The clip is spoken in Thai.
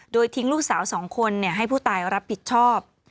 โดยทิ้งลูกสาว๒คนให้ผู้ตายรับผิดชอบ